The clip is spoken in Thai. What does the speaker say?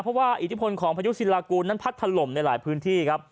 เพราะว่าอิทธิพลของพายุศิลากูลนั้นพัดถล่มในหลายพื้นที่ครับ